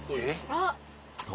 あっ。